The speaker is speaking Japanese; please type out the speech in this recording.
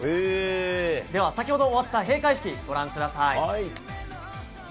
先ほど終わった閉会式ご覧ください。